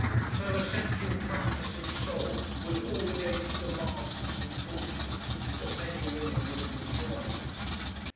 Her essential frankness of soul was all against the masks and falsehoods that many women would have enjoyed.